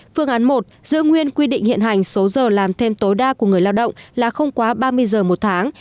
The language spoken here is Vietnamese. phương án một giữ nguyên quy định hiện hành số giờ làm thêm tối đa của người lao động là không quá ba mươi giờ một tháng